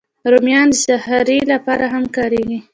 رومیان د سحري لپاره هم کارېږي